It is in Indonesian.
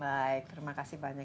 baik terima kasih banyak